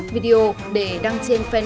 các đối tượng đã dễ dàng